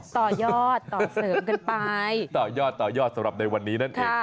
ต่อยอดต่อเสริมกันไปต่อยอดต่อยอดสำหรับในวันนี้นั่นเอง